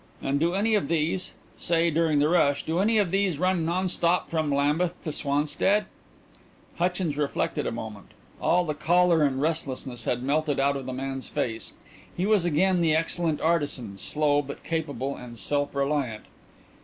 "And do any of those say, during the rush do any of those run non stop from Lambeth to Swanstead?" Hutchins reflected a moment. All the choler and restlessness had melted out of the man's face. He was again the excellent artisan, slow but capable and self reliant.